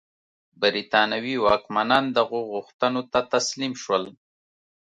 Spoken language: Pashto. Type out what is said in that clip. برېټانوي واکمنان دغو غوښتنو ته تسلیم شول.